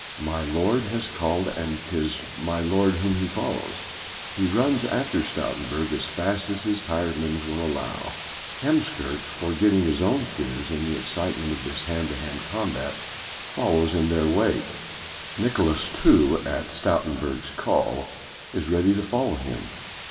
My lord has called and 'tis my lord whom he follows. He runs after Stoutenburg as fast as his tired limbs will allow. Heemskerk, forgetting his own fears in the excitement of this hand to hand combat, follows in their wake. Nicolaes, too, at Stoutenburg's call, is ready to follow him.